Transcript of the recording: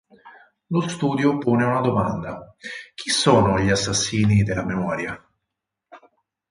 Lo studio pone una domanda "Chi sono gli assassini della memoria"?